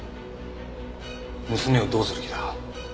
娘をどうする気だ？